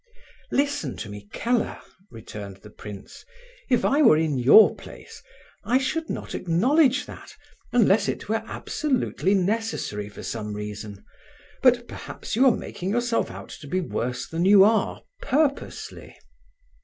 "Listen to me, Keller," returned the prince. "If I were in your place, I should not acknowledge that unless it were absolutely necessary for some reason. But perhaps you are making yourself out to be worse than you are, purposely?"